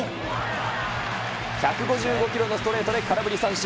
１５５キロのストレートで空振り三振。